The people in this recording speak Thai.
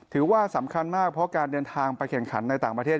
ถือว่าสำคัญมากเพราะการเดินทางไปแข่งขันในต่างประเทศ